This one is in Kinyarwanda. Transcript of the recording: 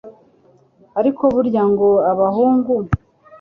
ariko burya ngo abahungu